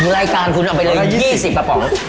รายการคุณเอาไปเลย๒๐กระป๋อง